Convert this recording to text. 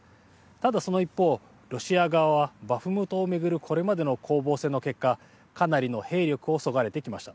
ただその一方、ロシア側はバフムトを巡るこれまでの攻防戦の結果かなりの兵力をそがれてきました。